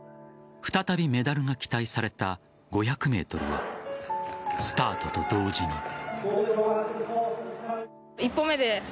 再びメダルが期待された５００ｍはスタートと同時に。